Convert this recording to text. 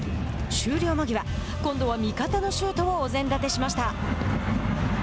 終了間際今度は味方のシュートをお膳立てしました。